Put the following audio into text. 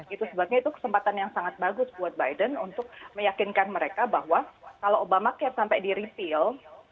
itu sebabnya itu kesempatan yang sangat bagus buat biden untuk meyakinkan mereka bahwa kalau obama cap sampai di retail